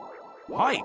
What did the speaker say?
はい。